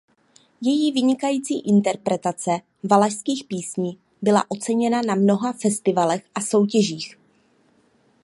Její vynikající interpretace valašských písní byla oceněna na mnoha festivalech a soutěžích.